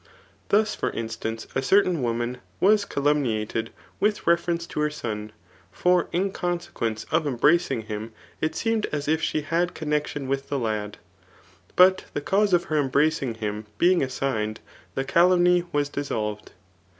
Thus for instance, a certain woman was caliim« niaied with reference to her son ; for in consequence of embracing him, it seemed as if she had connexion with the lad. But the cause of her embracing him being assigned, the calumny was cKssoIved.